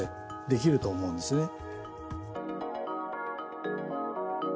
できると思うんですね。